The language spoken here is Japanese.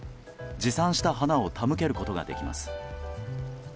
持参した花を手向けることができます。